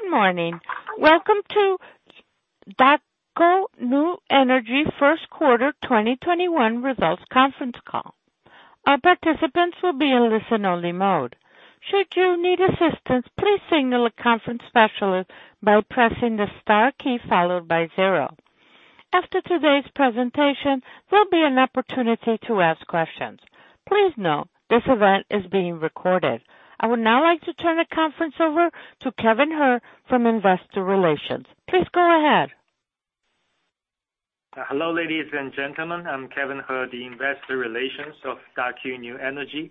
Good morning. Welcome to Daqo New Energy first quarter 2021 results conference call. Our participants will be in listen only mode, should you need assistance please signal a conference specialist by pressing the star key followed by zero. After today's presentation, there'll be an opportunity to ask questions. Please know this event is being recorded. I would now like to turn the conference over to Kevin He from Investor Relations. Please go ahead. Hello, ladies and gentlemen. I'm Kevin He, the Investor Relations of Daqo New Energy.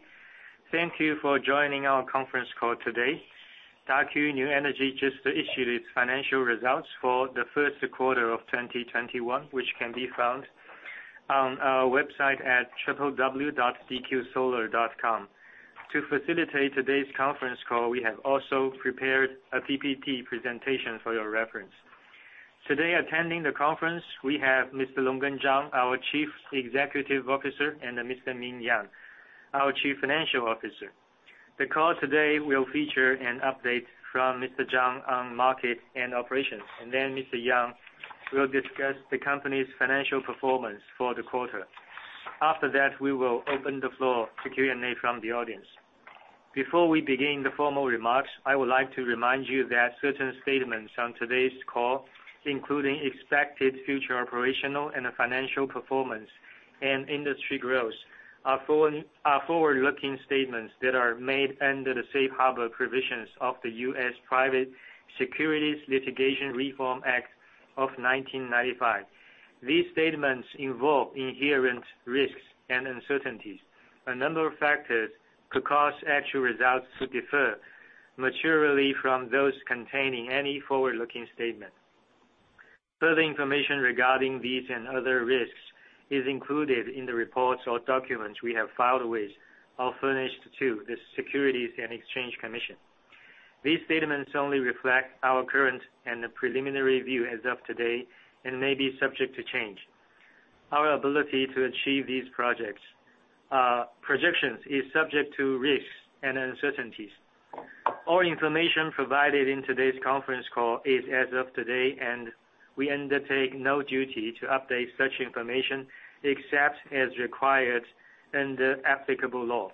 Thank you for joining our conference call today. Daqo New Energy just issued its financial results for the first quarter of 2021, which can be found on our website at www.dqsolar.com. To facilitate today's conference call, we have also prepared a PPT presentation for your reference. Today, attending the conference, we have Mr. Longgen Zhang, our Chief Executive Officer, and Mr. Ming Yang, our Chief Financial Officer. The call today will feature an update from Mr. Zhang on market and operations, and then Mr. Yang will discuss the company's financial performance for the quarter. After that, we will open the floor to Q&A from the audience. Before we begin the formal remarks, I would like to remind you that certain statements on today's call, including expected future operational and financial performance and industry growth, are forward-looking statements that are made under the safe harbor provisions of the U.S. Private Securities Litigation Reform Act of 1995. These statements involve inherent risks and uncertainties. A number of factors could cause actual results to differ materially from those containing any forward-looking statement. Further information regarding these and other risks is included in the reports or documents we have filed with or furnished to the Securities and Exchange Commission. These statements only reflect our current and the preliminary view as of today and may be subject to change. Our ability to achieve these projects, projections is subject to risks and uncertainties. All information provided in today's conference call is as of today, and we undertake no duty to update such information except as required under applicable law.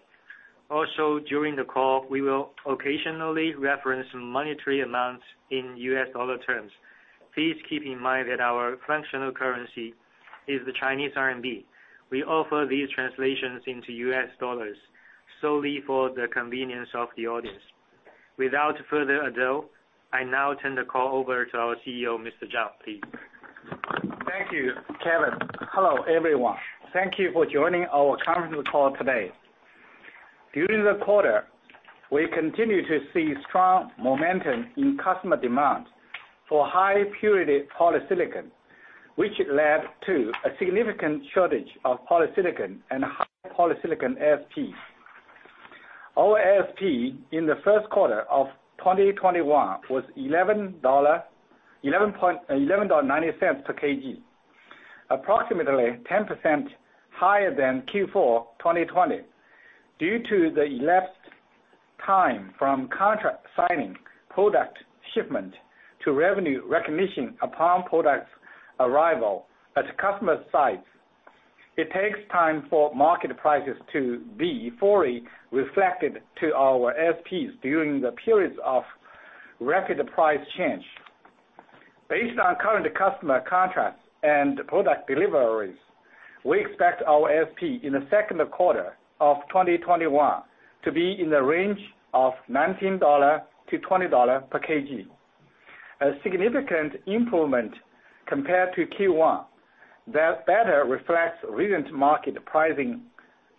Also, during the call, we will occasionally reference monetary amounts in U.S. dollar terms. Please keep in mind that our functional currency is the Chinese RMB. We offer these translations into U.S. dollars solely for the convenience of the audience. Without further ado, I now turn the call over to our Chief Executive Officer, Mr. Zhang, please. Thank you, Kevin. Hello, everyone. Thank you for joining our conference call today. During the quarter, we continued to see strong momentum in customer demand for high-purity polysilicon, which led to a significant shortage of polysilicon and high polysilicon ASP. Our ASP in the first quarter of 2021 was $11.90 per kg, approximately 10% higher than Q4 2020. Due to the elapsed time from contract signing, product shipment to revenue recognition upon product's arrival at customer sites, it takes time for market prices to be fully reflected to our ASPs during the periods of rapid price change. Based on current customer contracts and product deliveries, we expect our ASP in the second quarter of 2021 to be in the range of $19-$20 per kg. A significant improvement compared to Q1 that better reflects recent market pricing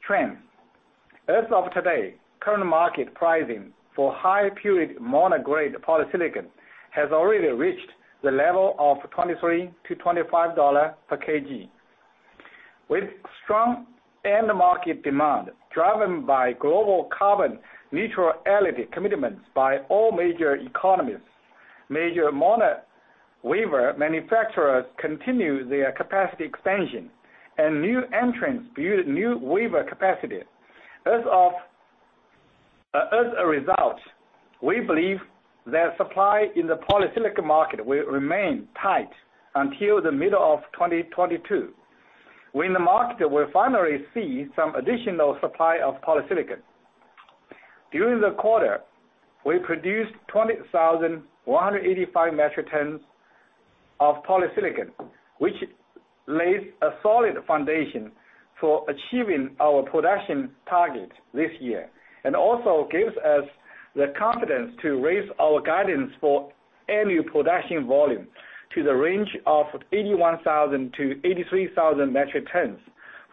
trends. As of today, current market pricing for high-purity mono-grade polysilicon has already reached the level of $23-$25 per kg. With strong end market demand, driven by global carbon neutrality commitments by all major economies, major mono wafer manufacturers continue their capacity expansion and new entrants build new wafer capacity. As a result, we believe that supply in the polysilicon market will remain tight until the middle of 2022, when the market will finally see some additional supply of polysilicon. During the quarter, we produced 20,185 metric tons of polysilicon, which lays a solid foundation for achieving our production target this year and also gives us the confidence to raise our guidance for annual production volume to the range of 81,000-83,000 metric tons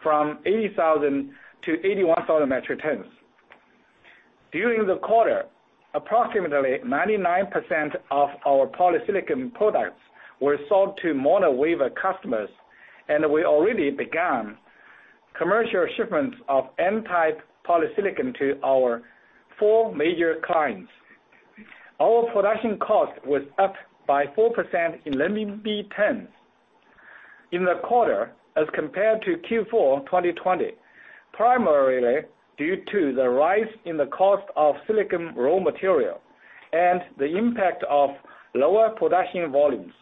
from 80,000-81,000 metric tons. During the quarter, approximately 99% of our polysilicon products were sold to mono wafer customers, and we already began commercial shipments of N-type polysilicon to our four major clients. Our production cost was up by 4% in Renminbi terms. In the quarter as compared to Q4 2020, primarily due to the rise in the cost of silicon raw material and the impact of lower production volumes.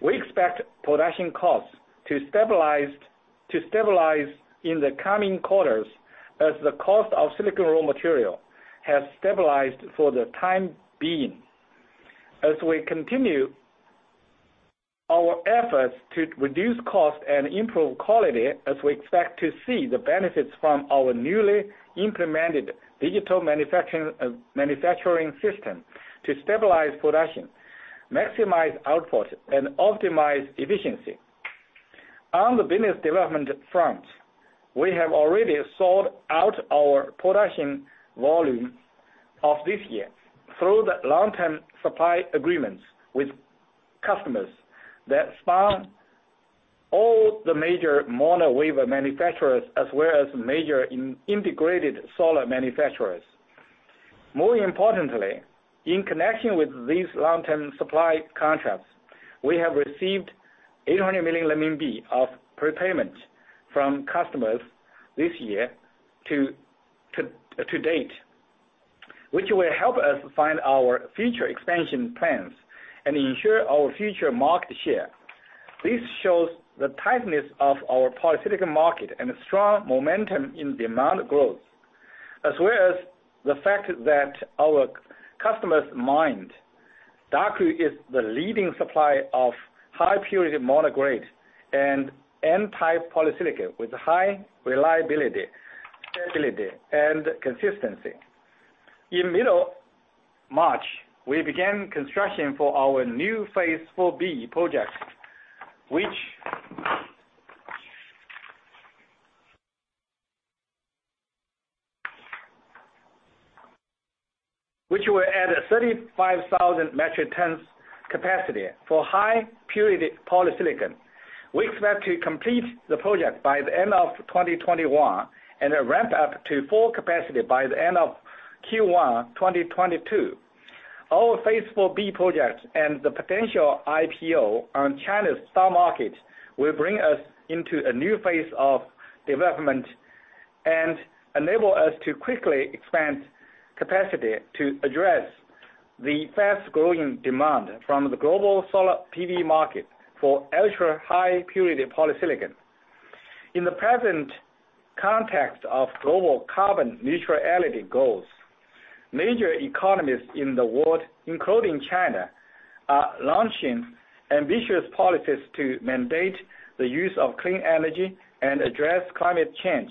We expect production costs to stabilize in the coming quarters as the cost of silicon raw material has stabilized for the time being. As we continue our efforts to reduce cost and improve quality as we expect to see the benefits from our newly implemented digital manufacturing system to stabilize production, maximize output, and optimize efficiency. On the business development front, we have already sold out our production volume of this year through the long-term supply agreements with customers that span all the major mono wafer manufacturers, as well as major integrated solar manufacturers. More importantly, in connection with these long-term supply contracts, we have received 800 million RMB of prepayment from customers this year to date, which will help us fund our future expansion plans and ensure our future market share. This shows the tightness of our polysilicon market and the strong momentum in demand growth. As well as the fact that our customers find Daqo is the leading supplier of high-purity mono-grade and N-type polysilicon with high reliability, stability, and consistency. In mid-March, we began construction for our new Phase 4B project, which will add 35,000 metric tons capacity for high-purity polysilicon. We expect to complete the project by the end of 2021, and a ramp up to full capacity by the end of Q1 2022. Our Phase 4B project and the potential IPO on China's stock market will bring us into a new phase of development and enable us to quickly expand capacity to address the fast-growing demand from the global solar PV market for ultra-high purity polysilicon. In the present context of global carbon neutrality goals, major economies in the world, including China, are launching ambitious policies to mandate the use of clean energy and address climate change.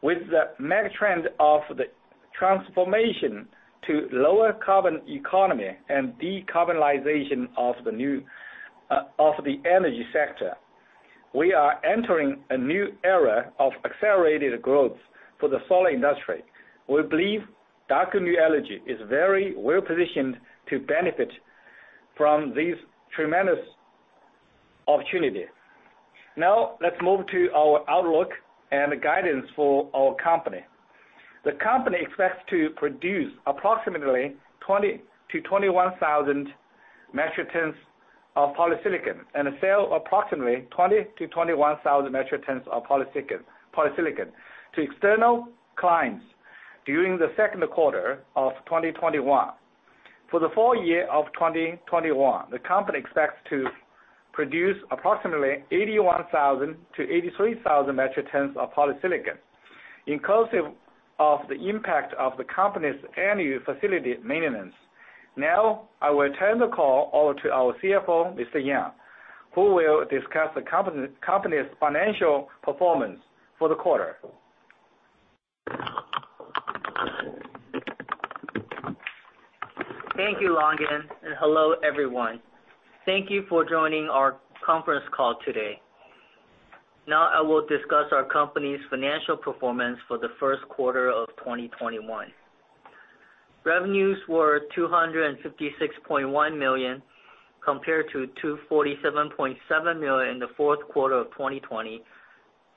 With the mega-trend of the transformation to lower carbon economy and decarbonization of the energy sector, we are entering a new era of accelerated growth for the solar industry. We believe Daqo New Energy is very well-positioned to benefit from this tremendous opportunity. Let's move to our outlook and guidance for our company. The company expects to produce approximately 20,000-21,000 metric tons of polysilicon, and sell approximately 20,000-21,000 metric tons of polysilicon to external clients during the second quarter of 2021. For the full year of 2021, the company expects to produce approximately 81,000-83,000 metric tons of polysilicon, inclusive of the impact of the company's annual facility maintenance. I will turn the call over to our Chief Financial Officer, Mr. Yang, who will discuss the company's financial performance for the quarter. Thank you, Longgen, and hello, everyone. Thank you for joining our conference call today. Now I will discuss our company's financial performance for the first quarter of 2021. Revenues were CNY 256.1 million, compared to CNY 247.7 million in the fourth quarter of 2020,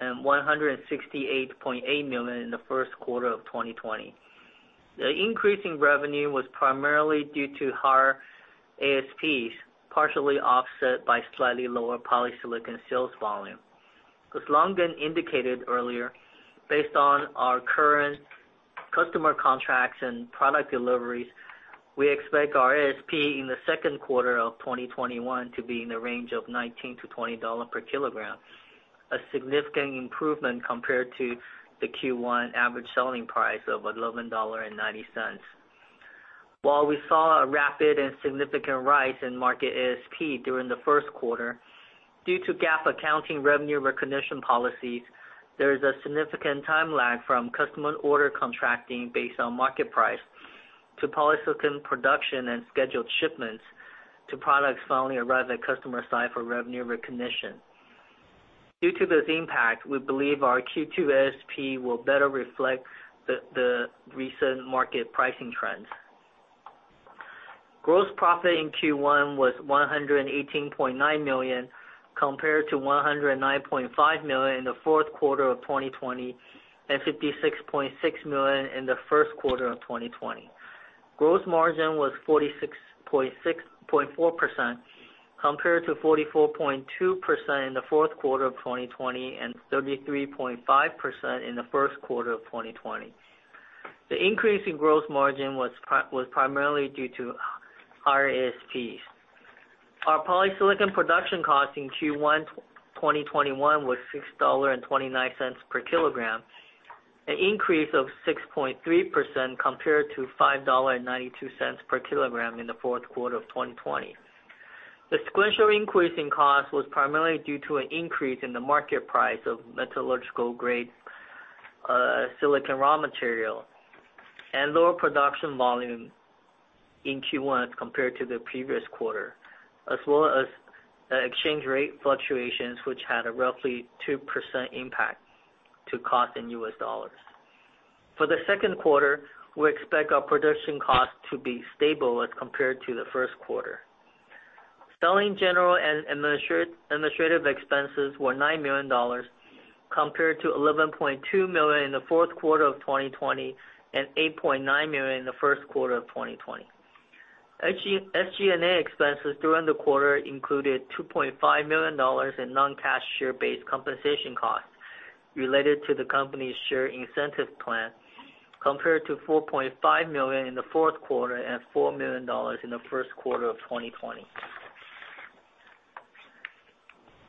and CNY 168.8 million in the first quarter of 2020. The increase in revenue was primarily due to higher ASPs, partially offset by slightly lower polysilicon sales volume. As Longgen indicated earlier, based on our current customer contracts and product deliveries, we expect our ASP in the second quarter of 2021 to be in the range of $19-$20 per kg, a significant improvement compared to the Q1 average selling price of $11.90. While we saw a rapid and significant rise in market ASP during the first quarter, due to GAAP accounting revenue recognition policies, there is a significant time lag from customer order contracting based on market price to polysilicon production and scheduled shipments to products finally arrive at customer site for revenue recognition. Due to this impact, we believe our Q2 ASP will better reflect the recent market pricing trends. Gross profit in Q1 was 118.9 million, compared to 109.5 million in the fourth quarter of 2020, and 56.6 million in the first quarter of 2020. Gross margin was 46.4%, compared to 44.2% in the fourth quarter of 2020 and 33.5% in the first quarter of 2020. The increase in gross margin was primarily due to ASPs. Our polysilicon production cost in Q1 2021 was $6.29 per kg, an increase of 6.3% compared to $5.92 per kg in the fourth quarter of 2020. The sequential increase in cost was primarily due to an increase in the market price of metallurgical grade silicon raw material and lower production volume in Q1 as compared to the previous quarter. As well as exchange rate fluctuations, which had a roughly 2% impact to cost in U.S. dollars. For the second quarter, we expect our production cost to be stable as compared to the first quarter. Selling, general, and administrative expenses were $9 million, compared to $11.2 million in the fourth quarter of 2020 and $8.9 million in the first quarter of 2020. SG&A expenses during the quarter included $2.5 million in non-cash share-based compensation costs related to the company's share incentive plan, compared to $4.5 million in the fourth quarter and $4 million in the first quarter of 2020.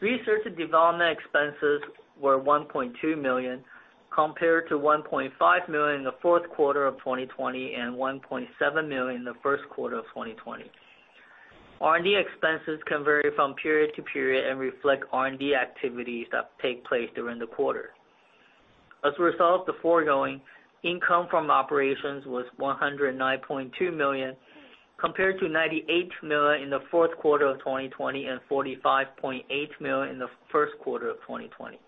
Research and development expenses were $1.2 million, compared to $1.5 million in the fourth quarter of 2020 and $1.7 million in the first quarter of 2020. R&D expenses can vary from period to period and reflect R&D activities that take place during the quarter. As a result of the foregoing, income from operations was $109.2 million, compared to $98 million in the fourth quarter of 2020 and $45.8 million in the first quarter of 2020.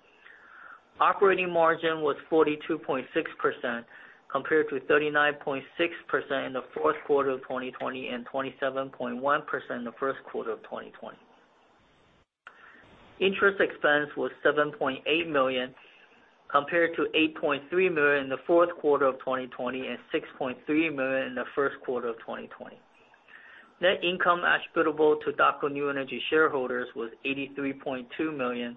Operating margin was 42.6%, compared to 39.6% in the fourth quarter of 2020 and 27.1% in the first quarter of 2020. Interest expense was $7.8 million, compared to $8.3 million in the fourth quarter of 2020 and $6.3 million in the first quarter of 2020. Net income attributable to Daqo New Energy shareholders was $83.2 million,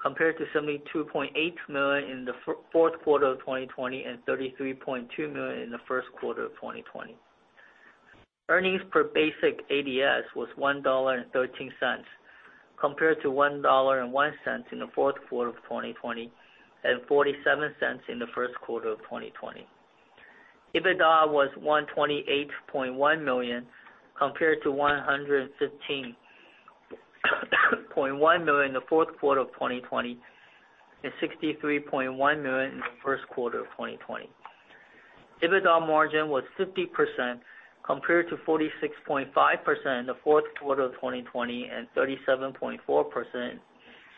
compared to $72.8 million in the fourth quarter of 2020 and $33.2 million in the first quarter of 2020. Earnings per basic ADS was $1.13, compared to $1.01 in the fourth quarter of 2020, and $0.47 in the first quarter of 2020. EBITDA was $128.1 million, compared to $115.1 million in the fourth quarter of 2020 and $63.1 million in the first quarter of 2020. EBITDA margin was 50%, compared to 46.5% in the fourth quarter of 2020 and 37.4%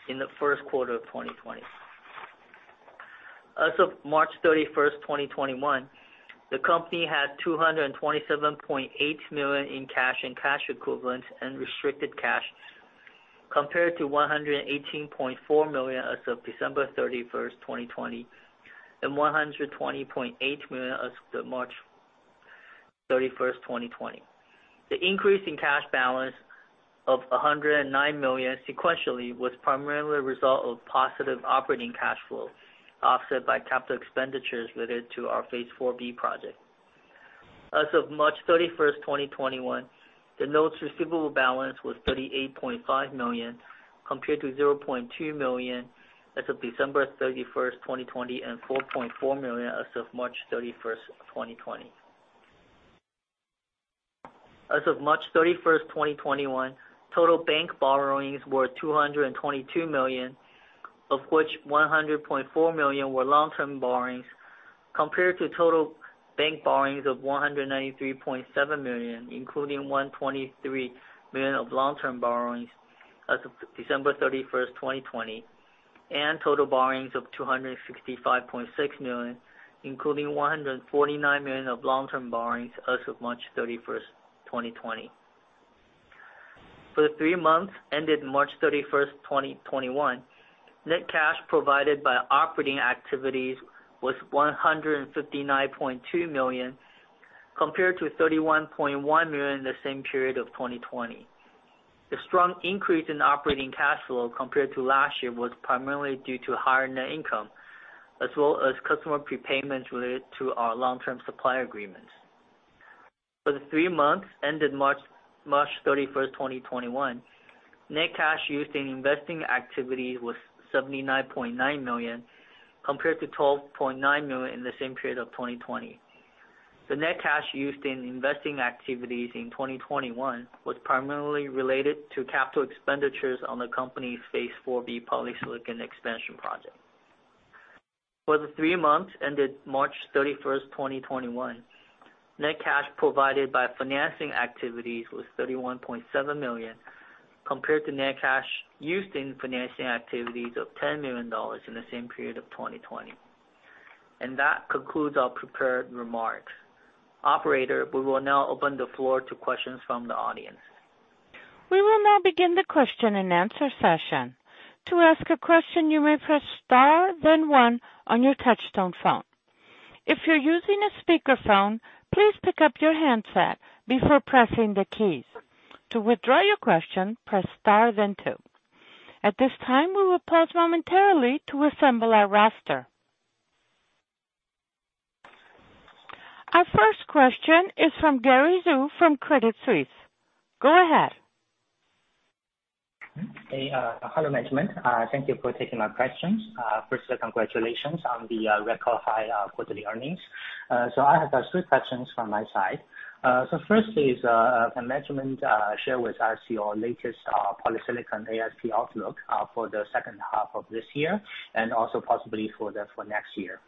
in the first quarter of 2020. As of March 31, 2021, the company had $227.8 million in cash and cash equivalents and restricted cash, compared to $118.4 million as of December 31, 2020, and $120.8 million as of March 31, 2020. The increase in cash balance of $109 million sequentially was primarily a result of positive operating cash flow, offset by capital expenditures related to our Phase 4B project. As of March 31, 2021, the notes receivable balance was $38.5 million, compared to $0.2 million as of December 31, 2020, and $4.4 million as of March 31, 2020. As of March 31, 2021, total bank borrowings were $222 million, of which $100.4 million were long-term borrowings, compared to total bank borrowings of $193.7 million, including $123 million of long-term borrowings as of December 31, 2020, and total borrowings of $265.6 million, including $149 million of long-term borrowings as of March 31, 2020. For the three months ended March 31, 2021, net cash provided by operating activities was $159.2 million, compared to $31.1 million in the same period of 2020. The strong increase in operating cash flow compared to last year was primarily due to higher net income, as well as customer prepayments related to our long-term supply agreements. For the three months ended March 31st, 2021, net cash used in investing activity was $79.9 million, compared to $12.9 million in the same period of 2020. The net cash used in investing activities in 2021 was primarily related to capital expenditures on the company's Phase 4B polysilicon expansion project. For the three months ended March 31st, 2021, net cash provided by financing activities was $31.7 million, compared to net cash used in financing activities of $10 million in the same period of 2020. That concludes our prepared remarks. Operator, we will now open the floor to questions from the audience. We will now begin the question and answer session. To ask a question, you may press star then one on your touchtone phone. If you're using a speakerphone, please pick up your handset before pressing the keys. To withdraw your question, press star then two. At this time, we will pause momentarily to assemble our roster. Our first question is from Gary Zhou from Credit Suisse, go ahead. Hey, hello, management. Thank you for taking my questions. Firstly, congratulations on the record high quarterly earnings. I have three questions from my side. First is, can management share with us your latest polysilicon ASP outlook for the second half of this year and also possibly for next year?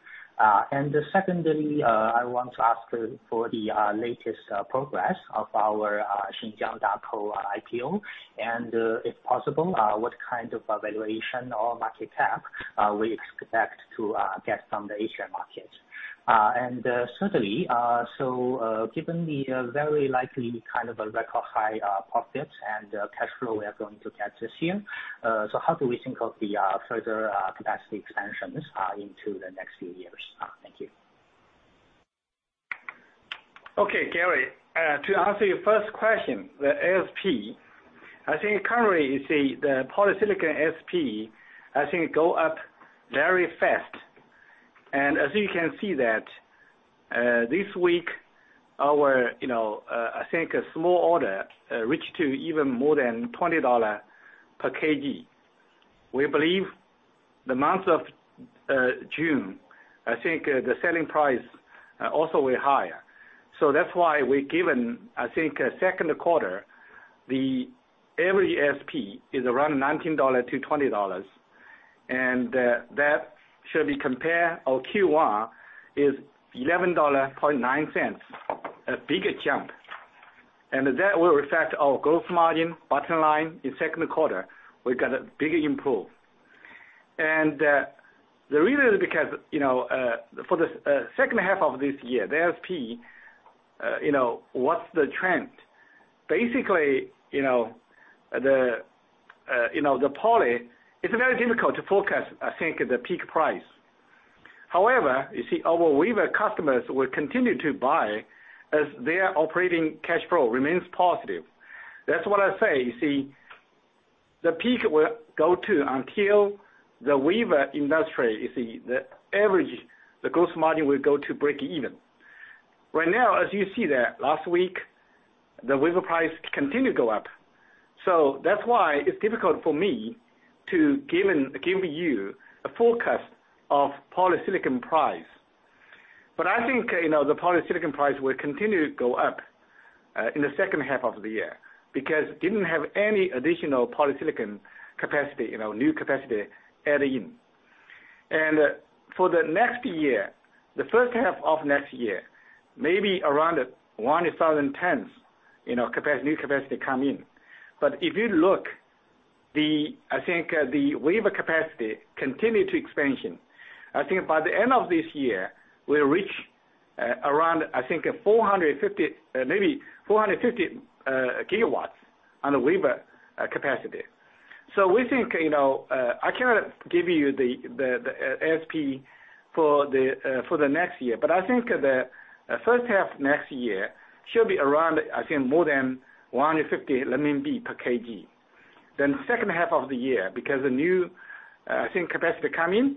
Secondly, I want to ask for the latest progress of our Xinjiang Daqo IPO, and if possible, what kind of evaluation or market cap we expect to get from the A-share market. Certainly, given the very likely kind of a record high profits and cash flow we are going to get this year, how do we think of the further capacity expansions into the next few years? Thank you. Okay, Gary, to answer your first question, the ASP currently, you see the polysilicon ASP go up very fast. As you can see that, this week, our, you know, a small order reached to even more than $20 per kg. We believe the month of June, the selling price also will higher. That's why we're given second quarter, the average ASP is around $19-$20. That should be compared our Q1 is $11.09, a bigger jump. That will affect our gross margin, bottom line. In second quarter, we got a bigger improve. The reason is because, you know, for the second half of this year, the ASP, you know, what's the trend? Basically, you know, the you know, the poly, it's very difficult to forecast, I think, the peak price. You see, our wafer customers will continue to buy as their operating cash flow remains positive. That's what I say, you see, the peak will go to until the wafer industry, you see, the average, the gross margin will go to breakeven. Right now, as you see that last week, the wafer price continue go up. That's why it's difficult for me to give you a forecast of polysilicon price. I think, you know, the polysilicon price will continue to go up in the second half of the year, because didn't have any additional polysilicon capacity, you know, new capacity adding in. For the next year, the first half of next year, maybe around 1,010 tons, you know, new capacity come in. If you look, the I think, the wafer capacity continue to expansion. I think by the end of this year, we'll reach around, I think, 450 GW, maybe 450 GW on the wafer capacity. We think, you know, I cannot give you the, the ASP for the, for the next year, but I think the first half next year should be around, I think more than 150 renminbi per kg. Second half of the year, because the new, I think, capacity come in,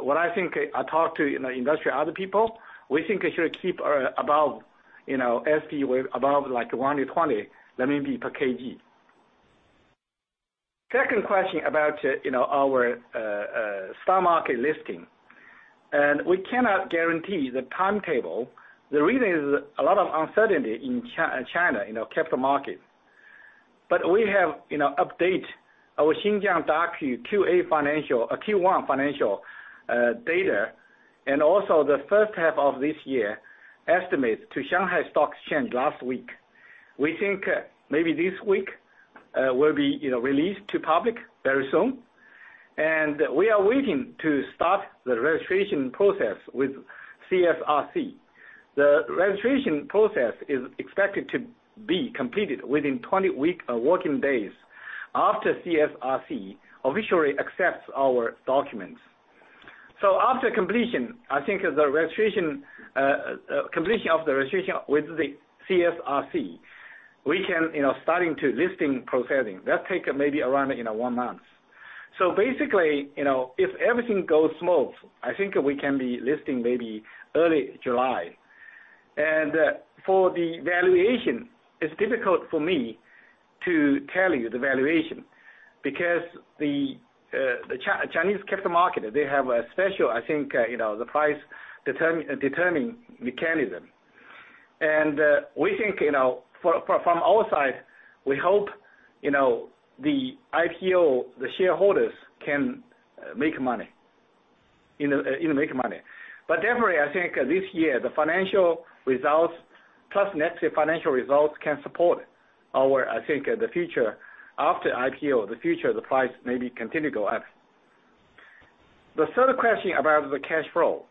what I think I talked to, you know, industry, other people, we think it should keep, above, you know, ASP above like 120 per kg. Second question about, you know, our stock market listing, and we cannot guarantee the timetable. The reason is a lot of uncertainty in China, you know, capital market. We have, you know, update our Xinjiang Daqo A-share financial Q1 financial data, and also the first half of this year estimates to Shanghai Stock Exchange last week. We think maybe this week will be, you know, released to public very soon. We are waiting to start the registration process with CSRC. The registration process is expected to be completed within 20 week working days after CSRC officially accepts our documents. After completion, I think the registration completion of the registration with the CSRC, we can, you know, starting to listing proceeding. That take maybe around, you know, one month. Basically, you know, if everything goes smooth, I think we can be listing maybe early July. For the valuation, it is difficult for me to tell you the valuation because the Chinese capital market, they have a special, I think, you know, the price determining mechanism. We think, you know, for from our side, we hope, you know, the IPO, the shareholders can make money, you know, make money. Definitely, I think this year, the financial results plus next year financial results can support our, I think, the future after IPO, the price maybe continue to go up. The third question about the cash flow.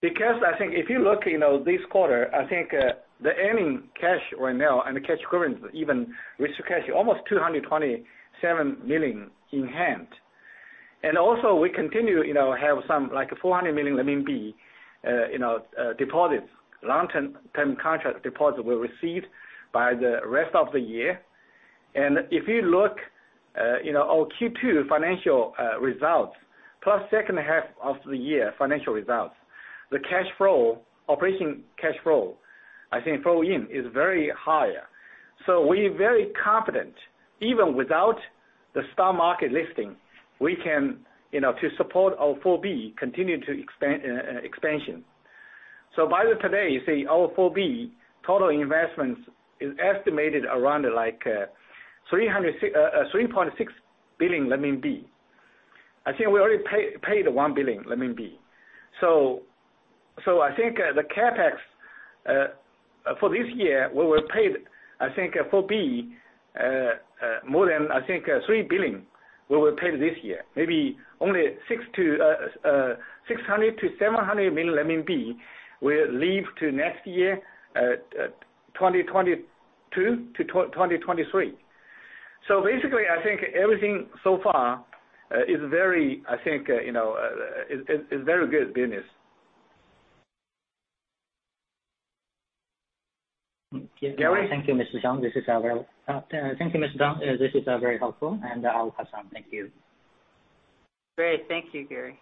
Because I think if you look, you know, this quarter, I think, the earning cash right now and the cash equivalents, even risk cash, almost 227 million in hand. We continue, you know, have some like 400 million RMB deposits, long-term, term contract deposits we received by the rest of the year. If you look, our Q2 financial results plus second half of the year financial results, the cash flow, operating cash flow, I think flow in is very higher. We very confident, even without the stock market listing, we can, you know, to support our 4B continue to expansion. By today, you see our 4B total investments is estimated around like 3.6 billion. I think we already paid 1 billion. I think the CapEx for this year will pay, I think 4B, more than, I think, 3 billion we will pay this year. Maybe only 600 million- 700 million RMB will leave to next year, 2022-2023. Basically, I think everything so far is very, I think, you know, is very good business. Gary? Thank you, Mr. Zhang. This is very helpful, and I'll have some. Thank you. Great. Thank you, Gary.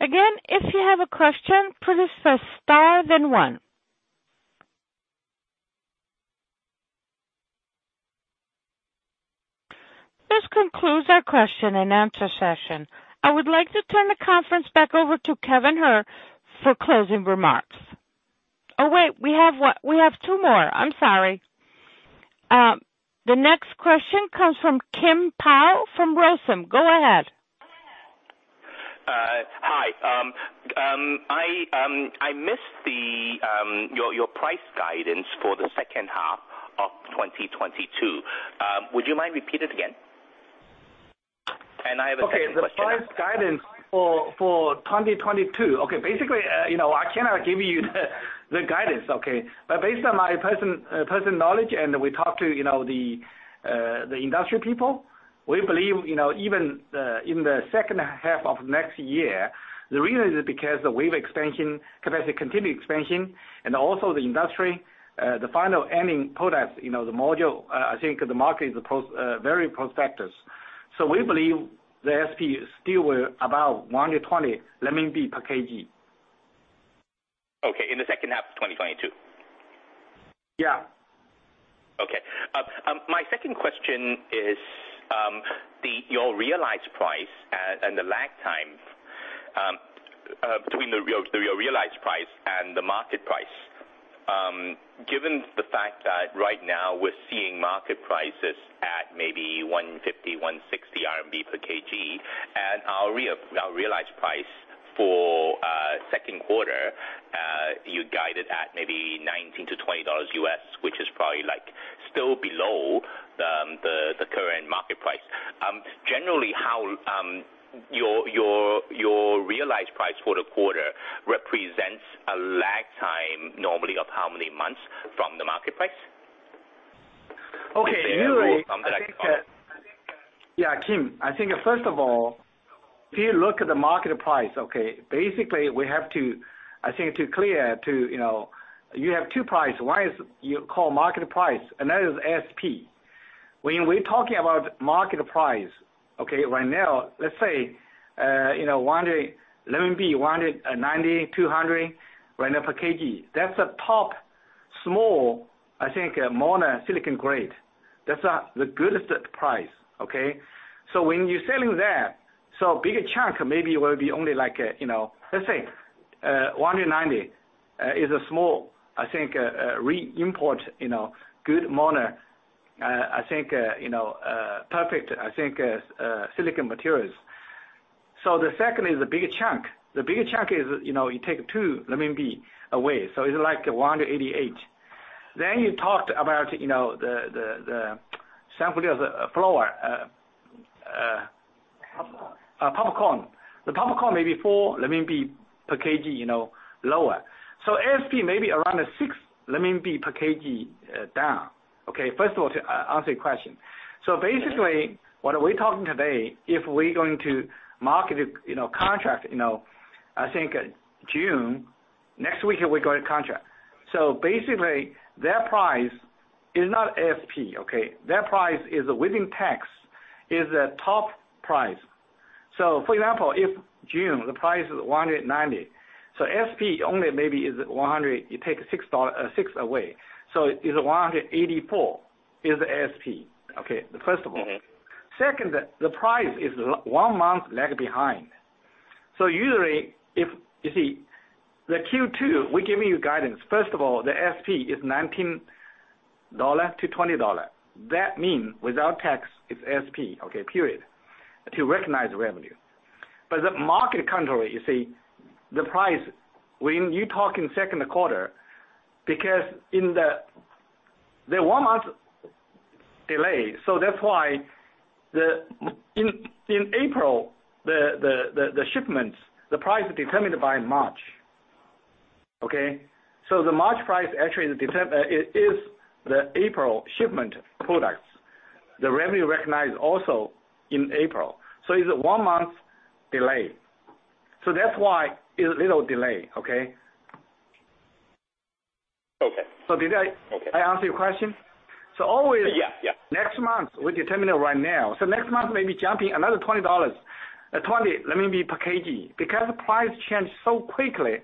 Again, if you have a question, please press star then one. This concludes our question and answer session. I would like to turn the conference back over to Kevin He for closing remarks. Oh, wait, we have two more. I'm sorry. The next question comes from Kim Pao from ROCIM. Go ahead. Hi. I missed the your price guidance for the second half of 2022. Would you mind repeat it again? I have a second question after. Okay. The price guidance for 2022. Okay. Basically, you know, I cannot give you the guidance, okay? Based on my personal knowledge, and we talked to, you know, the industry people, we believe, you know, even in the second half of next year. The reason is because we've expansion, capacity continue expansion and also the industry, the final ending products, you know, the module, I think the market is very prospective. We believe the ASP still about 120 per kg. Okay. In the second half of 2022? Yeah. Okay. My second question is, the Your realized price and the lag time between the realized price and the market price. Given the fact that right now we're seeing market prices at maybe 150- 160 RMB per kg, and our realized price for second quarter, you guided at maybe $19-$20 U.S., which is probably like still below the current market price. Generally, how your realized price for the quarter represents a lag time normally of how many months from the market price? Okay. Usually, I think, Is there a rule of thumb that I can follow? Yeah, Kim. I think first of all, if you look at the market price, okay, basically we have to I think to clear to, you know, you have two price. One is you call market price, another is SP. When we're talking about market price, oka right now, let's say you know, one day CNY 190-CNY 200 per kg. That's the top small, I think, mono silicon grade. That's the goodest price, okay? When you're selling that, so bigger chunk maybe will be only like, you know, let's say, 190 is a small, I think, re-import, you know, good mono, I think, you know, perfect, I think, silicon materials. The second is the bigger chunk. The bigger chunk is, you know, it take 2 away, so it's like 188. Popcorn. Popcorn. The popcorn may be 4 per kg, you know, lower. SP may be around 6 per kg, down. Okay. First of all, to answer your question. Basically, what are we talking today, if we're going to market, you know, contract, you know, I think June, next week we're going to contract. Basically, their price is not SP, okay? Their price is within tax, is the top price. For example, if June the price is 190, SP only maybe is 100, it take CNY 6 away. It is 184 is the SP. Okay. First of all. Second, the price is one month lag behind. Usually, if you see the Q2, we giving you guidance. First of all, the ASP is $19-$20. That mean without tax it's ASP to recognize revenue. The market contrary, the price when you talk in second quarter, because The one month delay. That's why in April, the shipments, the price is determined by March. The March price actually is the April shipment products. The revenue recognized also in April. It's a one-month delay. That's why is a little delay. Okay. Did I. Okay. I answer your question? Yeah. Yeah. Next month, we determine it right now. Next month may be jumping another $20. 20 per kg. Because price change so quickly,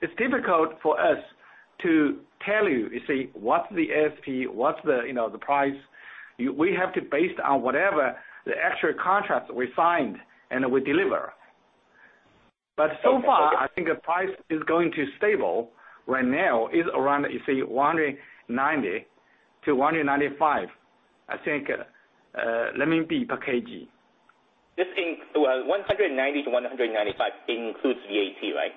it's difficult for us to tell you what's the ASP, what's the, you know, the price. We have to based on whatever the actual contract we signed and we deliver. So far, I think the price is going to stable right now is around 190-195, I think, CNY per kg. Well, 190-195 includes VAT, right?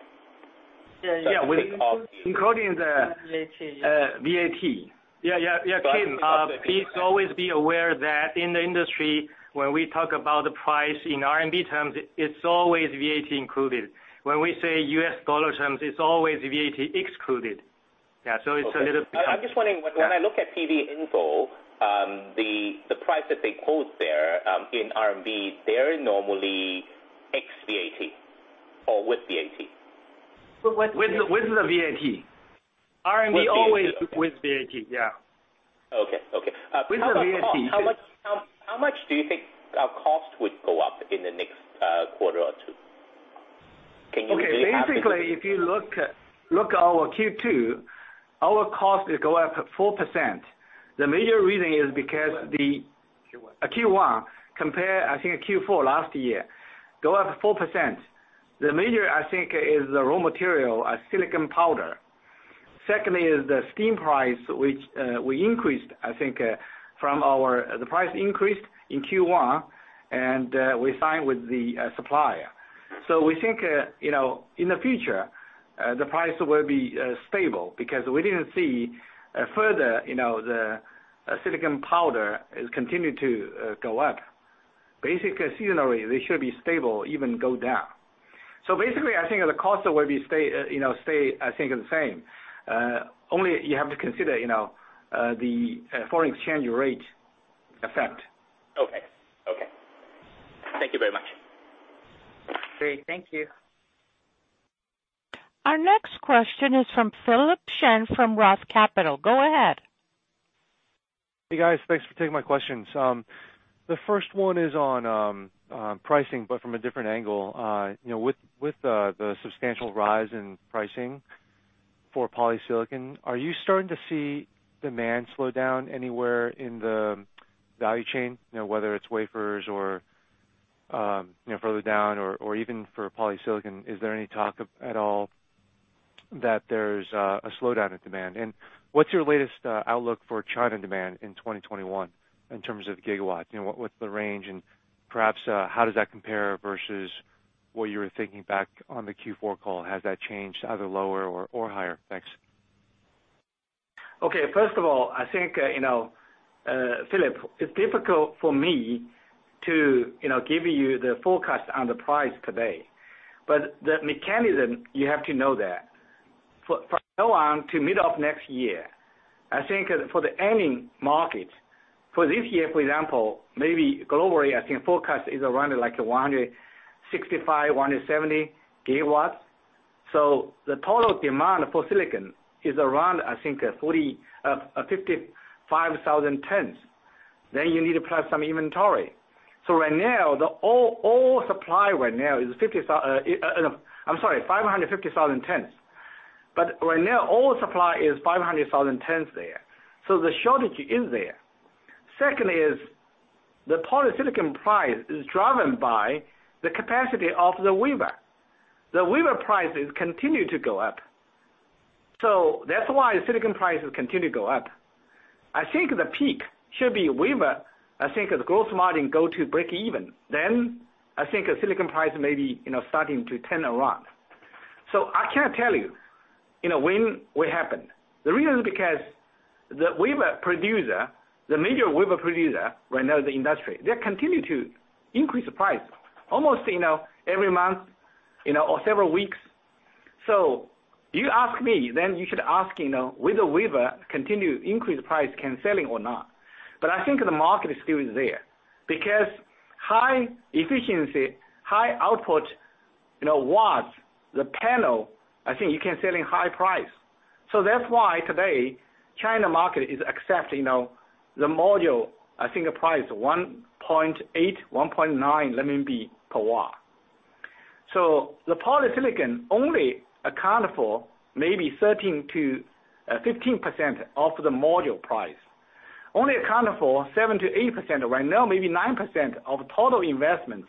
Yeah, yeah. Yeah. Of the- Including the- VAT. VAT. Kim, please always be aware that in the industry, when we talk about the price in RMB terms, it's always VAT included. When we say U.S. dollar terms, it's always VAT excluded. I'm just wondering, when I look at PV InfoLink, the price that they quote there, in RMB, they're normally ex VAT or with VAT? With, with- With the VAT. RMB. With VAT, yeah. Okay. Okay. With the VAT- How much, how much do you think our cost would go up in the next quarter or two? Okay. Basically, if you look our Q2, our cost go up 4%. The major reason is because. Q1. Q1 compare, I think Q4 last year, go up 4%. The major I think is the raw material, silicon powder. Secondly is the steam price, which we increased, I think, The price increased in Q1, and we signed with the supplier. We think, you know, in the future, the price will be stable because we didn't see a further, you know, the silicon powder continue to go up. Basic seasonally, they should be stable, even go down. Basically, I think the cost will be stay, I think the same. Only you have to consider, you know, the foreign exchange rate effect. Okay. Thank you very much. Great. Thank you. Our next question is from Philip Shen from Roth Capital. Go ahead. Hey, guys. Thanks for taking my questions. The first one is on pricing, from a different angle. You know, with the substantial rise in pricing for polysilicon, are you starting to see demand slow down anywhere in the value chain? You know, whether it's wafers or, you know, further down or even for polysilicon, is there any talk of at all that there's a slowdown in demand? What's your latest outlook for China demand in 2021 in terms of gigawatts? You know, what's the range and perhaps, how does that compare versus what you were thinking back on the Q4 call? Has that changed either lower or higher? Thanks. Okay. First of all, I think, you know, Philip, it's difficult for me to, you know, give you the forecast on the price today. The mechanism, you have to know that. For now on to middle of next year, I think for the ending market, for this year, for example, maybe globally, I think forecast is around like 165 GW, 170 GW. The total demand for silicon is around, I think, 40, 55,000 tons. You need to plus some inventory. Right now, the all supply right now is 50, no, I'm sorry, 550,000 tons. Right now, all supply is 500,000 tons there. The shortage is there. Second is the polysilicon price is driven by the capacity of the wafer. The wafer prices continue to go up. That's why silicon prices continue to go up. I think the peak should be wafer. I think the gross margin go to breakeven. I think silicon price may be, you know, starting to turn around. I can't tell you know, when will happen. The reason is because the wafer producer, the major wafer producer right now in the industry, they continue to increase the price almost, you know, every month, you know, or several weeks. You ask me, then you should ask, you know, will the wafer continue increase price, can selling or not? I think the market is still is there because high efficiency, high output, you know, watts, the panel, I think you can sell in high price. That's why today China market is accepting, you know, the module, I think price 1.8, 1.9 per watt. The polysilicon only account for maybe 13%-15% of the module price. Only account for 7%-8% right now, maybe 9% of total investments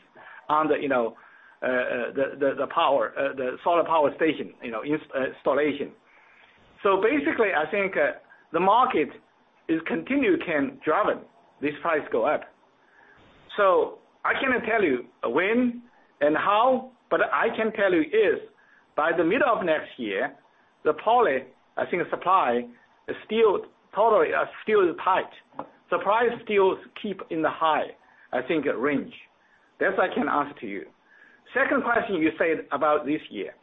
on the, you know, the power, the solar power station, you know, installation. Basically, I think, the market is continue can driven this price go up. I cannot tell you when and how, but I can tell you is by the middle of next year, the poly, I think supply is still, poly are still tight. Supply is still keep in the high, I think range. That I can answer to you. Second question you said about this year.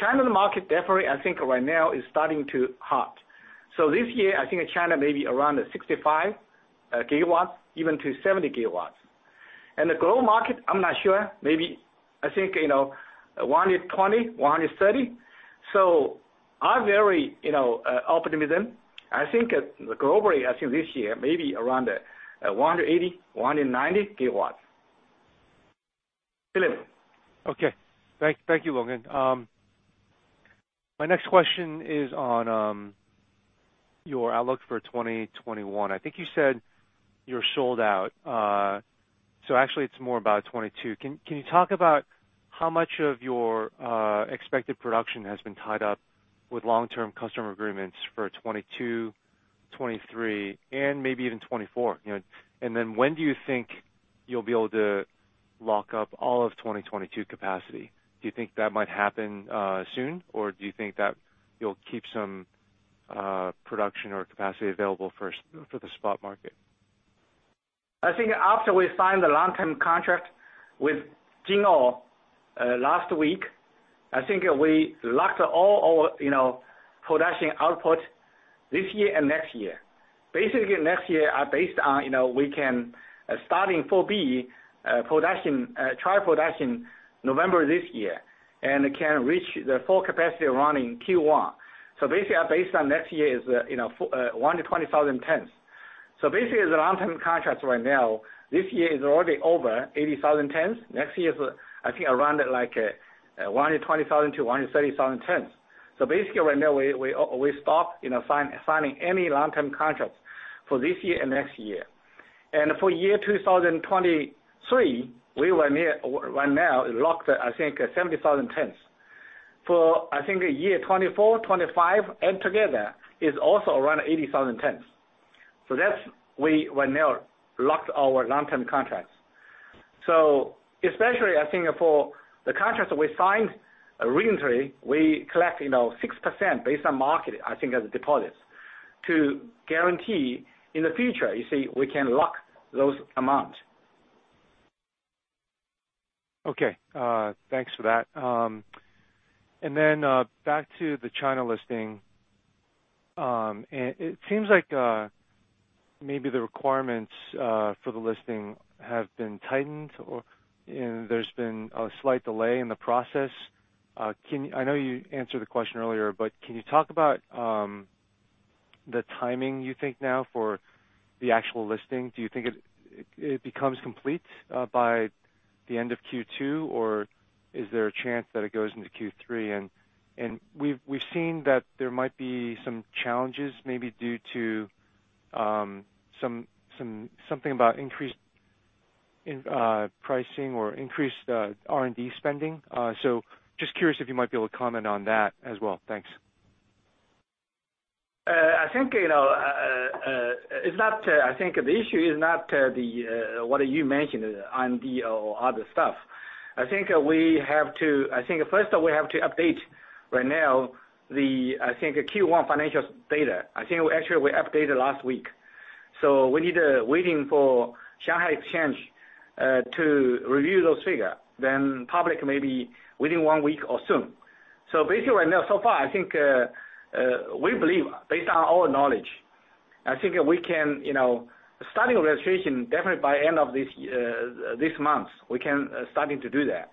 China's market definitely right now is starting to hot. This year, China may be around 65 GW, even to 70 GW. The global market, I'm not sure. Maybe, you know, 120 GW, 130 GW. I very, you know, optimism. Globally, this year, maybe around 180 GW, 190 GW. Philip. Okay. Thank you, Longgen. My next question is on your outlook for 2021. I think you said you're sold out. Actually it's more about 2022. Can you talk about how much of your expected production has been tied up with long-term customer agreements for 2022, 2023, and maybe even 2024? You know, when do you think you'll be able to lock up all of 2022 capacity? Do you think that might happen soon? Or do you think that you'll keep some production or capacity available for the spot market? I think after we signed the long-term contract with JinkoSolar last week, I think we locked all our, you know, production output this year and next year. Basically next year are based on, you know, we can starting Phase 4B production trial production November this year. Can reach the full capacity around in Q1. Basically based on next year is, you know, 120,000 tons. Basically the long-term contracts right now, this year is already over 80,000 tons. Next year is, I think around like 120,000-130,000 tons. Basically right now we stop, you know, signing any long-term contracts for this year and next year. For year 2023, right now locked I think 70,000 tons. I think year 2024, 2025, and together is also around 80,000 tons. That's we right now locked our long-term contracts. Especially I think for the contracts we signed recently, we collect, you know, 6% based on market, I think as deposits to guarantee in the future, you see, we can lock those amounts. Okay. Thanks for that. Back to the China listing. It seems like, maybe the requirements for the listing have been tightened or, you know, there's been a slight delay in the process. Can I know you answered the question earlier, but can you talk about the timing you think now for the actual listing? Do you think it becomes complete by the end of Q2, or is there a chance that it goes into Q3? We've seen that there might be some challenges maybe due to something about increased pricing or increased R&D spending. Just curious if you might be able to comment on that as well. Thanks. I think, you know, it's not, I think the issue is not the what you mentioned, R&D or other stuff. I think first we have to update right now the, I think, Q1 financial data. I think actually we updated last week. We need waiting for Shanghai Stock Exchange to review those figure, then public maybe within one week or soon. I think, we believe based on our knowledge, I think we can, you know, starting registration definitely by end of this month. We can starting to do that.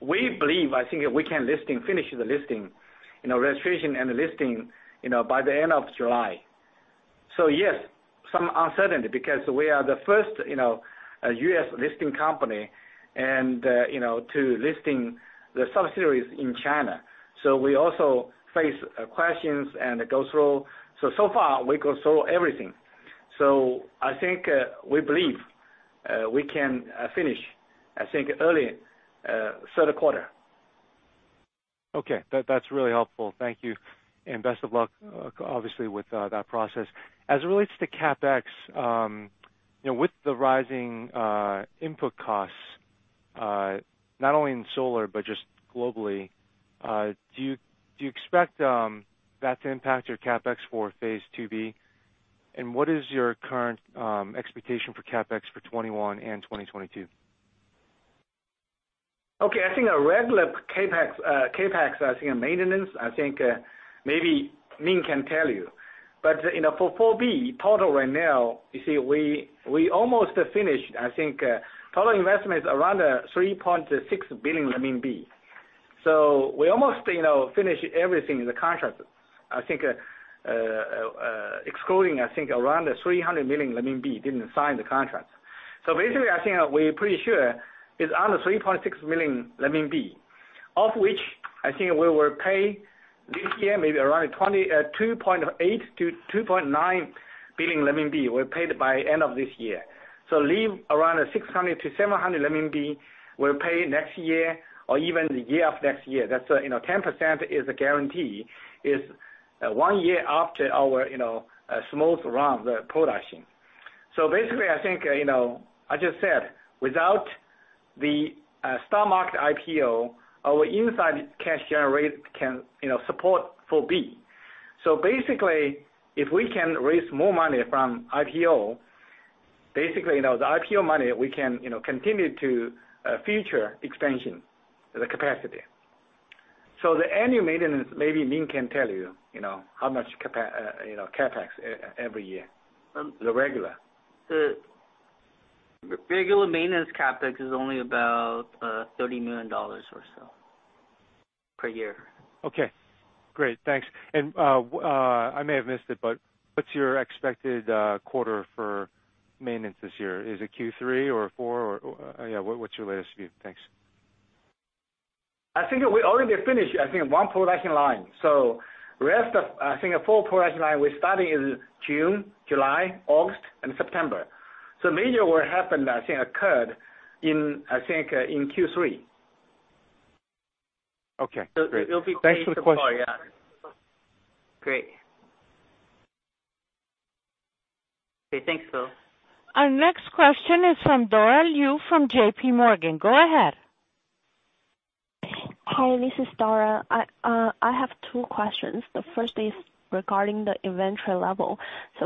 We believe, I think we can listing, finish the listing, you know, registration and the listing, you know, by the end of July. Yes, some uncertainty because we are the first, you know, U.S. listing company and, you know, to listing the subsidiaries in China. We also face questions and go through. So far we go through everything. I think, we believe, we can finish, I think early third quarter. Okay. That's really helpful. Thank you, and best of luck, obviously with that process. As it relates to CapEx, you know, with the rising input costs, not only in solar but just globally, do you expect that to impact your CapEx for Phase 2B? What is your current expectation for CapEx for 2021 and 2022? Okay, I think a regular CapEx maintenance, I think, maybe Ming can tell you. You know, for Phase 4B total right now, you see, we almost finished. I think, total investment is around 3.6 billion RMB. We almost, you know, finish everything in the contract. I think, excluding, I think around 300 million RMB didn't sign the contract. Basically, I think we're pretty sure it's under 3.6 million RMB. Of which I think we will pay this year maybe around 2.8 billion-2.9 billion RMB, we'll pay it by end of this year. Leave around 600-700 RMB, we'll pay next year or even the year of next year. That's, you know, 10% is a guarantee. One year after our, you know, smooth run the production. Basically, I think, you know, I just said, without the stock market IPO, our inside cash generate can, you know, support for 4B. Basically, if we can raise more money from IPO, basically, you know, the IPO money, we can, you know, continue to future expansion, the capacity. The annual maintenance, maybe Ming can tell you know, how much Capex, you know, CapEx every year. The regular. The regular maintenance CapEx is only about $30 million or so per year. Okay, great. Thanks. I may have missed it, but what's your expected quarter for maintenance this year? Is it Q3 or Q4 or, yeah, what's your latest view? Thanks. I think we already finished, I think, one production line. Rest of, I think, four production line we're starting in June, July, August, and September. Major work happened, I think, occurred in, I think, in Q3. Okay, great. It'll be Q4, yeah. Thanks for the question. Great. Okay, thanks, Philip. Our next question is from Dora Liu from JPMorgan. Go ahead. Hi, this is Dora. I have two questions. The first is regarding the inventory level.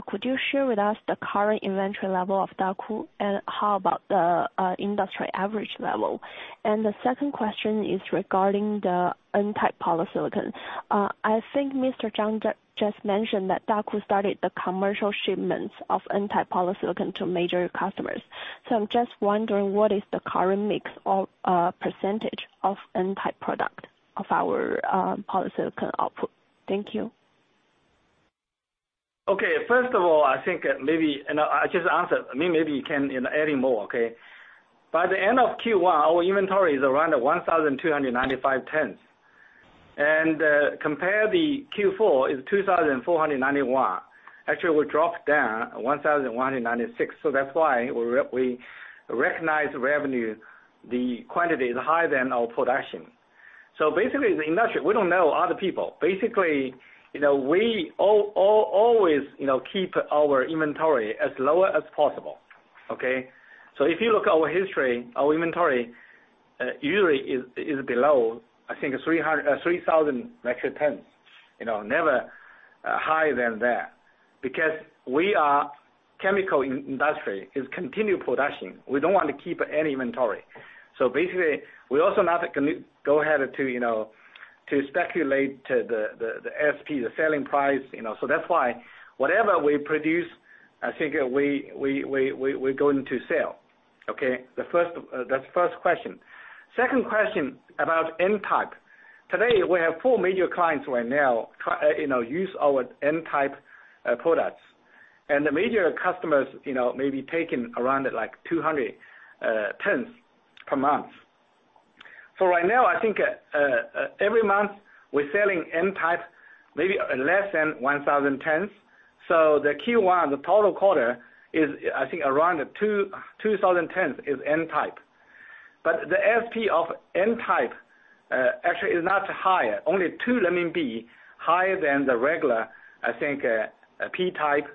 Could you share with us the current inventory level of Daqo? How about the industry average level? The second question is regarding the N-type polysilicon. I think Mr. Zhang just mentioned that Daqo started the commercial shipments of N-type polysilicon to major customers. I'm just wondering what is the current mix or percentage of N-type product of our polysilicon output. Thank you. Okay. First of all, I think maybe you know, I just answered. Ming, maybe you can, you know, adding more, okay? Compare the Q4 is 2,491. Actually, we dropped down 1,196. That's why we recognize revenue, the quantity is higher than our production. Basically, the industry, we don't know other people. Basically, you know, we always, you know, keep our inventory as lower as possible, okay? If you look at our history, our inventory is below, I think 3,000 metric tons. You know, never higher than that. Because we are chemical industry, is continued production. We don't want to keep any inventory. Basically, we also not go ahead to speculate the SP, the selling price. That's why whatever we produce, I think we're going to sell. Okay? The first, that's first question. Second question about n-type. Today, we have four major clients right now try use our n-type products. The major customers may be taking around 200 tons per month. Right now, I think, every month we're selling n-type, maybe less than 1,000 tons. The Q1, the total quarter is, I think around 2,000 tons is n-type. The SP of n-type actually is not higher, only 2 renminbi higher than the regular, I think, p-type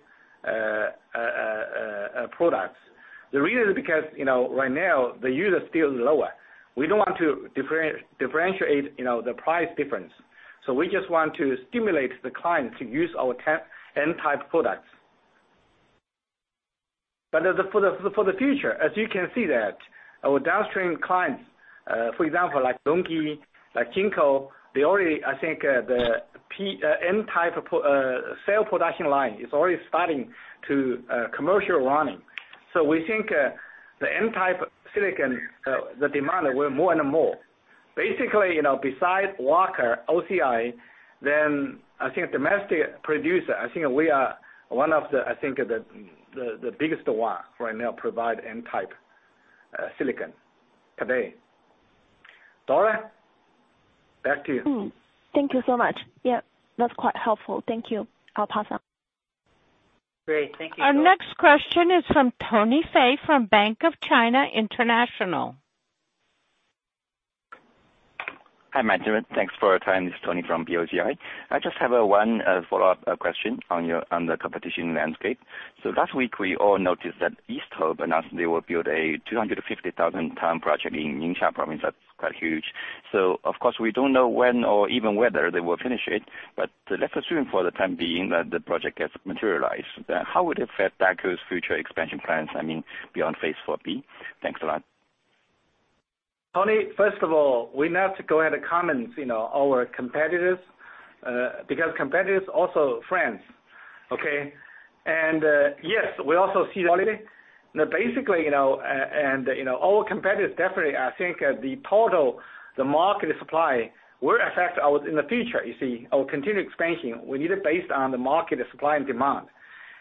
products. The reason is because, you know, right now the yield is still lower. We don't want to differentiate, you know, the price difference. We just want to stimulate the client to use our N-type products. As for the future, as you can see that our downstream clients, for example, like LONGi, like JinkoSolar, they already, I think, the N-type cell production line is already starting to commercial running. We think the N-type silicon, the demand will more and more. Basically, you know, besides Wacker, OCI, I think domestic producer, I think we are one of the, I think, the biggest one right now provide N-type silicon today. Dora, back to you. Thank you so much. Yeah, that's quite helpful. Thank you. I'll pass on. Great. Thank you. Our next question is from Tony Fei from Bank of China International. Hi, management. Thanks for your time. This is Tony from BOCI. I just have one follow-up question on your on the competition landscape. Last week, we all noticed that East Hope announced they will build a 250,000 ton project in Ningxia province. That's quite huge. Of course, we don't know when or even whether they will finish it, but let's assume for the time being that the project gets materialized. How would it affect Daqo's future expansion plans, I mean, beyond Phase 4B? Thanks a lot. Tony, first of all, we not go ahead and comment, you know, our competitors, because competitors also friends. Okay? Yes, we also see Now basically, you know, and you know, our competitors definitely I think the total, the market supply will affect our in the future, you see, our continued expansion. We need it based on the market supply and demand.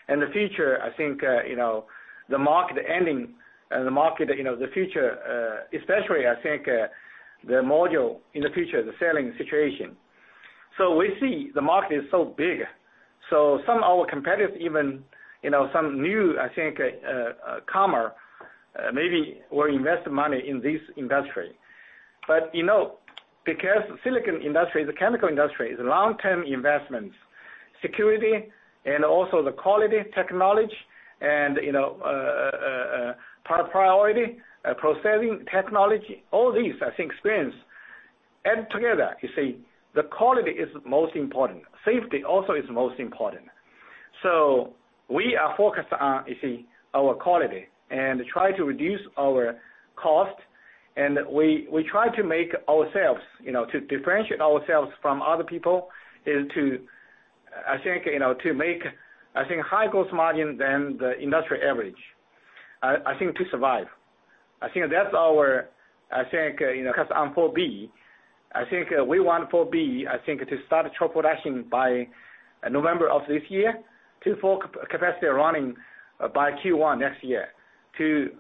In the future, I think, you know, the market ending and the market, you know, the future, especially I think, the module in the future, the selling situation. We see the market is so big. Some of our competitors, even, you know, some new, I think, comer, maybe will invest money in this industry. You know, because silicon industry is a chemical industry, it's long-term investments, security and also the quality technology and, you know, priority processing technology, all these, I think experience add together, you see. The quality is most important. Safety also is most important. We are focused on, you see, our quality and try to reduce our cost. We try to make ourselves, you know, to differentiate ourselves from other people is to, I think, you know, to make, I think, higher gross margin than the industry average, I think, to survive. I think that's our, you know, because on Phase 4B, we want Phase 4B to start full production by November of this year to full capacity running by Q1 next year to,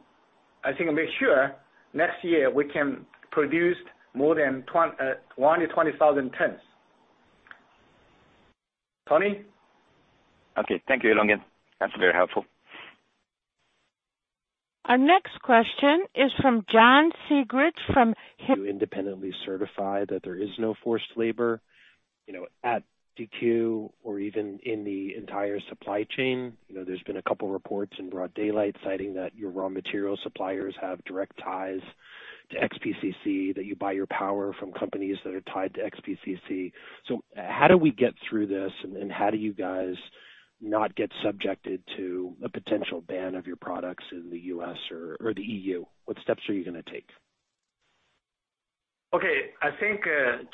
I think, make sure next year we can produce more than 120,000 tons. Tony? Okay. Thank you, Longgen. That's very helpful. Our next question is from John Segrich from. You independently certify that there is no forced labor, you know, at Daqo or even in the entire supply chain. There's been two reports in broad daylight citing that your raw material suppliers have direct ties to XPCC, that you buy your power from companies that are tied to XPCC. How do we get through this, and how do you guys not get subjected to a potential ban of your products in the U.S. or the EU? What steps are you gonna take? Okay. I think,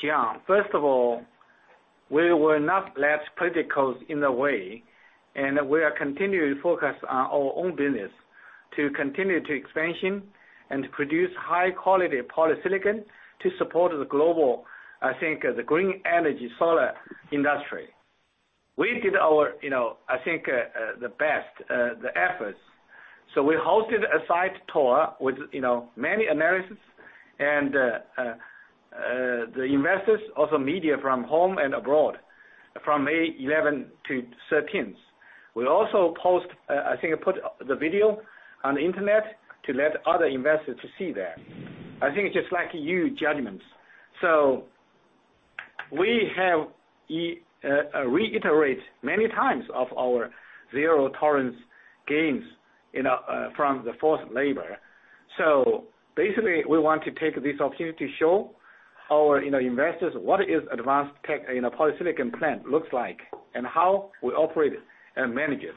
John, first of all, we will not let politics in the way. We are continuing to focus on our own business to continue to expansion and produce high quality polysilicon to support the global, I think, the green energy solar industry. We did our, you know, I think, the best efforts. We hosted a site tour with, you know, many analysts and investors, also media from home and abroad from May 11 to 13th. We also, I think, put the video on the internet to let other investors to see that. I think it's just like your judgment. We have reiterate many times of our zero tolerance against, you know, forced labor. Basically, we want to take this opportunity to show our, you know, investors what is advanced tech, you know, polysilicon plant looks like and how we operate it and manage it.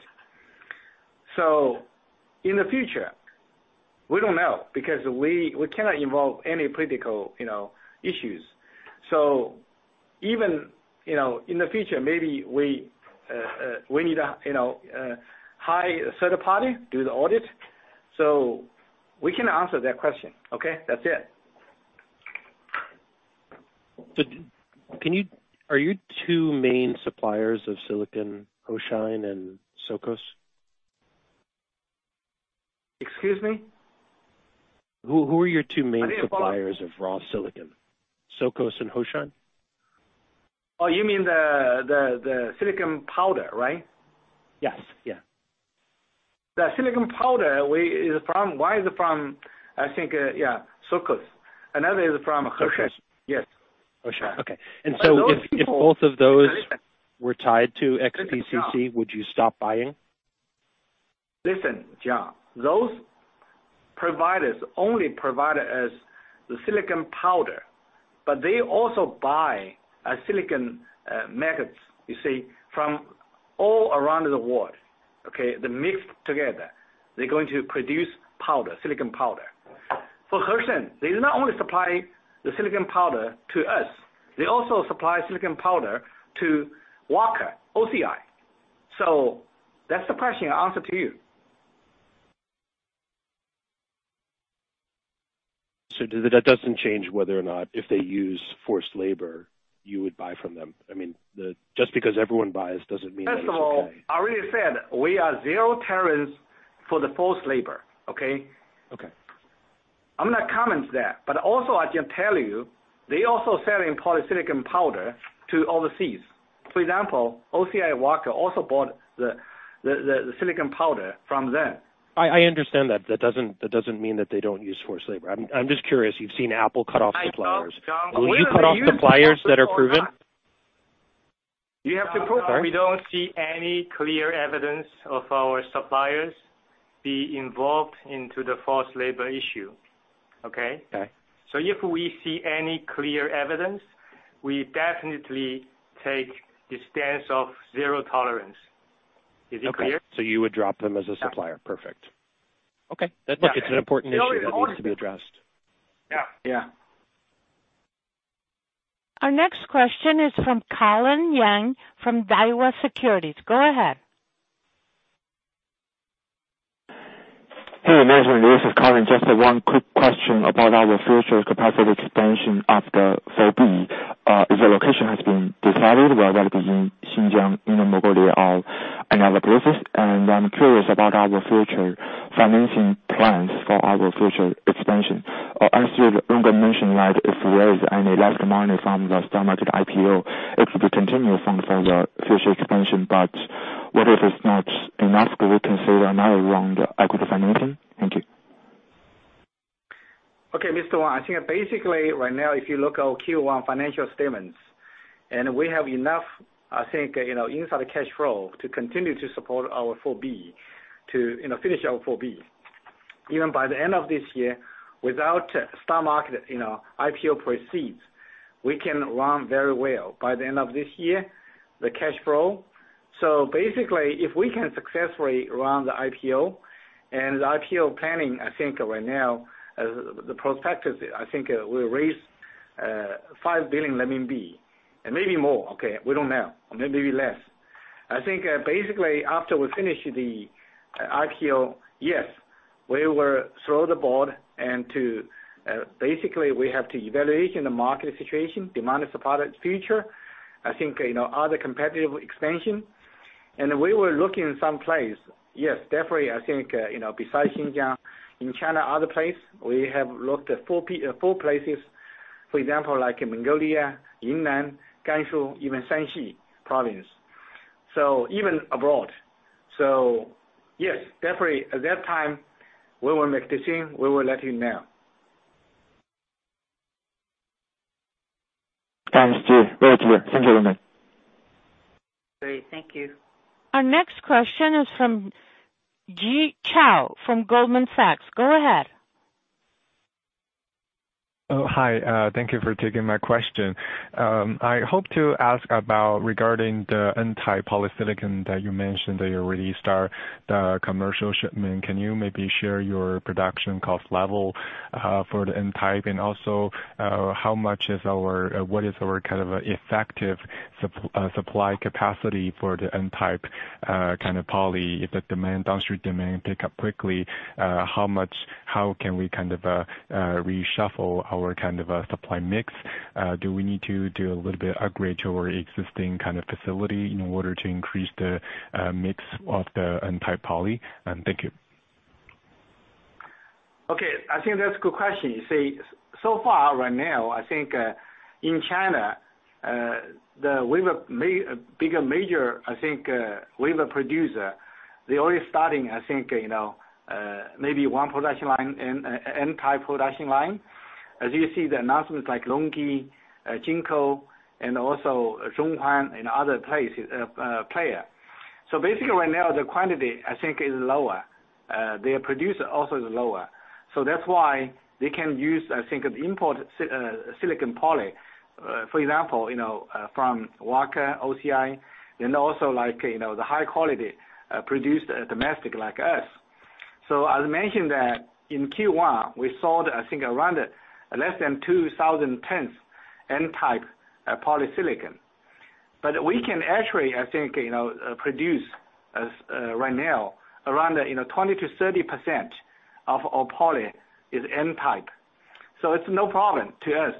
In the future, we don't know because we cannot involve any political, you know, issues. Even, you know, in the future, maybe we need a, you know, high third party do the audit. We cannot answer that question. Okay. That's it. Who are your two main suppliers of silicon, Hoshine and SOCOS? Excuse me? Who are your two main. I didn't follow. Suppliers of raw silicon? SOCOS and Hoshine? Oh, you mean the silicon powder, right? Yes. Yeah. The silicon powder one is from, I think, SOCOS. Another is from Hoshine. Hoshine. Yes. Hoshine. Okay. But those people- If both of those were tied to XPCC, would you stop buying? Listen, John, those providers only provide us the silicon powder, but they also buy a silicon nuggets, you see, from all around the world. Okay? They mix together. They're going to produce powder, silicon powder. For Hoshine, they not only supply the silicon powder to us, they also supply silicon powder to Wacker OCI. That's the question I answer to you. That doesn't change whether or not if they use forced labor, you would buy from them. I mean, just because everyone buys doesn't mean that it's okay. First of all, I already said we are zero tolerance for the forced labor. Okay? Okay. I'm not comment that. Also, I can tell you, they also selling polysilicon powder to overseas. For example, OCI Wacker also bought the silicon powder from them. I understand that. That doesn't mean that they don't use forced labor. I'm just curious. You've seen Apple cut off suppliers. I know, John. we are- Will you cut off suppliers that are proven? You have to prove. Sorry. We don't see any clear evidence of our suppliers be involved into the forced labor issue. Okay? Okay. If we see any clear evidence, we definitely take the stance of zero tolerance. Is it clear? Okay. You would drop them as a supplier. Yeah. Perfect. Okay. Yeah. It's an important issue that needs to be addressed. Yeah. Yeah. Our next question is from Colin Yang from Daiwa Securities. Go ahead. Hey, this is Colin. Just one quick question about our future capacity expansion of the 4B. Is the location has been decided, whether that is in Xinjiang, Inner Mongolia or another places? I'm curious about our future financing plans for our future expansion. As you mentioned, like, if there is any left money from the stock market IPO, it could be continued fund for the future expansion. What if it's not enough? Could we consider another round equity financing? Thank you. Okay, Mr. Yang. I think basically right now, if you look at our Q1 financial statements, we have enough, I think, you know, inside cash flow to continue to support our 4B to, you know, finish our 4B. Even by the end of this year, without stock market, you know, IPO proceeds, we can run very well. By the end of this year, the cash flow. Basically, if we can successfully run the IPO and the IPO planning, I think right now as the prospectus, I think we raise 5 billion and maybe more, okay? We don't know. Maybe less. I think, basically after we finish the IPO, yes, we will throw the board and to basically we have to evaluation the market situation, demand and supply in future. I think, you know, other competitive expansion. We will look in some place. Yes, definitely. I think, you know, besides Xinjiang in China, other place, we have looked at four places, for example, like Mongolia, Yunnan, Gansu, even Shanxi province. Even abroad. Yes, definitely at that time we will make decision. We will let you know. Thanks very clear. Thank you very much. Great. Thank you. Our next question is from Chao Ji from Goldman Sachs. Go ahead. Oh, hi. Thank you for taking my question. I hope to ask about regarding the N-type polysilicon that you mentioned that you released are the commercial shipment. Can you maybe share your production cost level for the N-type? What is our kind of effective supply capacity for the N-type kind of poly? If the demand, downstream demand pick up quickly, how much, how can we kind of reshuffle our kind of supply mix? Do we need to do a little bit upgrade to our existing kind of facility in order to increase the mix of the N-type poly? Thank you. Okay, I think that's a good question. You see, so far right now, I think, in China, We have major, I think, we have a producer. They're only starting, I think, you know, maybe one production line, N-type production line. As you see the announcements like LONGi, JinkoSolar and also Zhonghuan and other player. Basically right now the quantity I think is lower. Their producer also is lower. That's why they can use, I think, import silicon poly. For example, you know, from Wacker, OCI and also like, you know, the high quality produced domestic like us. I'll mention that in Q1 we sold I think around less than 2,000 tons N-type polysilicon. We can actually, I think, you know, produce as right now around, you know, 20%-30% of our poly is N-type. It's no problem to us.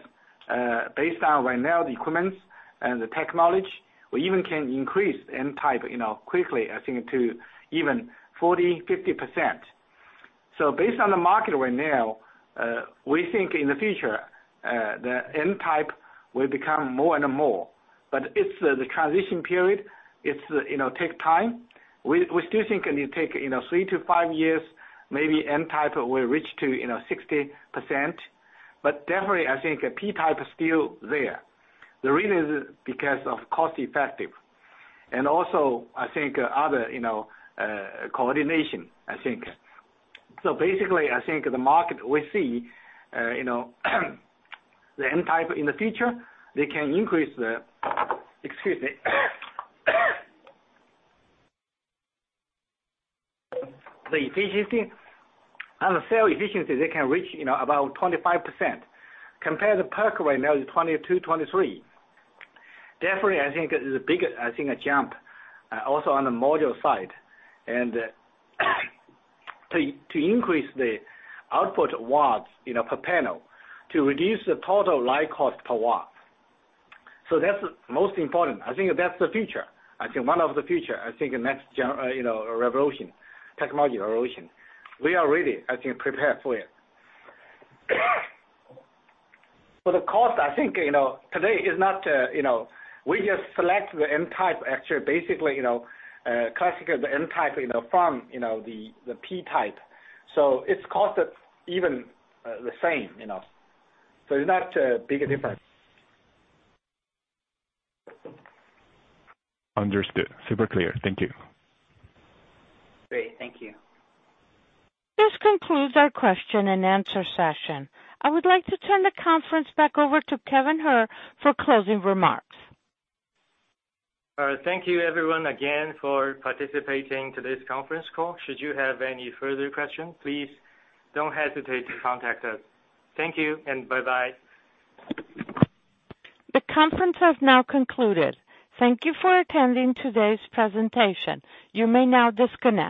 Based on right now the equipment and the technology, we even can increase N-type, you know, quickly, I think to even 40%-50%. Based on the market right now, we think in the future, the N-type will become more and more, but it's the transition period. It's, you know, take time. We, we still think it take, you know, three to five years, maybe N-type will reach to, you know, 60%. Definitely I think P-type is still there. The reason is because of cost effective and also I think other, you know, coordination, I think. Basically I think the market we see, you know, the N-type in the future, they can increase the Excuse me. The efficiency on the cell efficiency they can reach you know about 25%. Compare the PERC right now is 22, 23. Definitely I think it is a big, I think a jump, also on the module side and to increase the output watts, you know, per panel to reduce the total life cost per watt. That's most important. I think that's the future. I think one of the future. I think next gen, you know, revolution, technology revolution. We are ready, I think, prepared for it. For the cost, I think, you know, today is not, you know, We just select the N-type actually basically, you know, classical the N-type, you know, from, you know, the P-type. It's cost even, the same, you know. It's not a big difference. Understood. Super clear. Thank you. Great. Thank you. This concludes our question and answer session. I would like to turn the conference back over to Kevin He for closing remarks. All right. Thank you everyone again for participating today's conference call. Should you have any further questions, please don't hesitate to contact us. Thank you and bye-bye. The conference has now concluded. Thank you for attending today's presentation. You may now disconnect.